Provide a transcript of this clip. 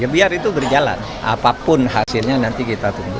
biar itu berjalan apapun hasilnya nanti kita tunggu